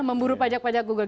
memburu pajak pajak google